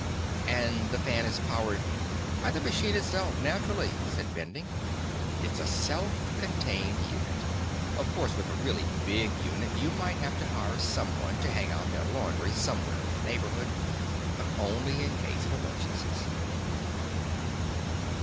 "And the fan is powered ""... By the machine itself, naturally," said Bending. "It's a self contained unit. Of course, with a really big unit, you might have to hire someone to hang out their laundry somewhere in the neighborhood, but only in case of emergencies."